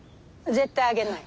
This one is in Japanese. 絶対あげない！